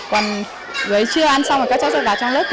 còn bữa trưa ăn xong thì các cháu sẽ vào trong lớp kia ngủ